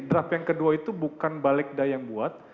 draft yang kedua itu bukan balegda yang buat